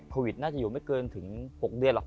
วิทน่าจะอยู่ไม่เกินถึง๖เดือนหรอก